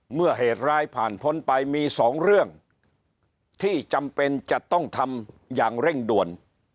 เมื่อเหตุร้ายผ่านพ้นไปมีสองเรื่องที่จำเป็นจะต้องทำอย่างเร่งด่วน